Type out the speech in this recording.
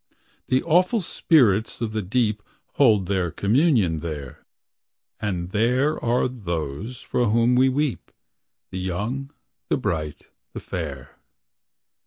The awful spirits of the deep Hold their communion there; And there are those for whom we weep, The young, the bright, the fair.